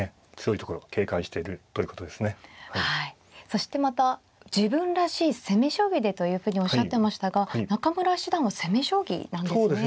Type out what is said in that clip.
そしてまた自分らしい攻め将棋でというふうにおっしゃってましたが中村七段は攻め将棋なんですね。